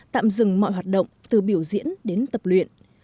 tạm dừng mọi hoạt động từ biểu diễn đến tập luyện